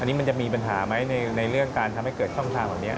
อันนี้มันจะมีปัญหาไหมในเรื่องการทำให้เกิดช่องทางเหล่านี้